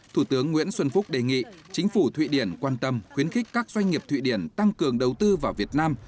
thủ tướng nguyễn xuân phúc đề nghị chính phủ thụy điển quan tâm khuyến khích các doanh nghiệp thụy điển tăng cường đầu tư vào việt nam